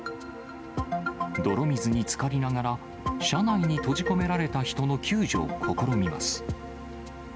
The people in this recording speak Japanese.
泥水につかりながら、車内に閉じ込められた人の救助を試みます。